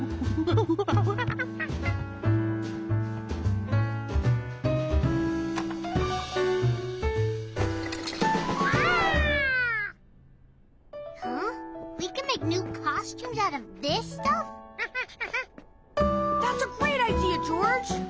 フフフッ。